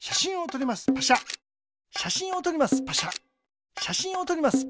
しゃしんをとります。